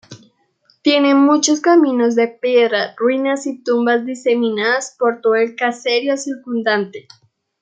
Tiene muchos caminos de piedra, ruinas y tumbas diseminadas por todo el caserío circundante.